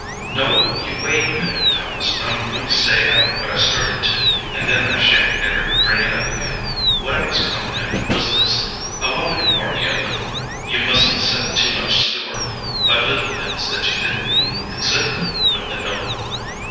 "No, you wait a minute, Thomas. I'm goin' to say out what I started to, and then I sha'n't ever bring it up again. What I was comin' at was this: I wanted to warn ye a little. You mustn't set too much store by little things that you think mean consider'ble when they don't.